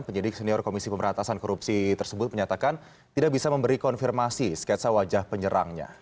penyidik senior komisi pemberatasan korupsi tersebut menyatakan tidak bisa memberi konfirmasi sketsa wajah penyerangnya